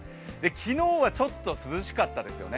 昨日はちょっと涼しかったですよね。